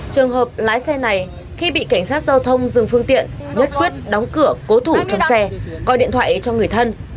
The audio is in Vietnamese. trường hợp lái xe này khi bị cảnh sát giao thông dừng phương tiện nhất quyết đóng cửa cố thủ trong xe coi điện thoại cho người thân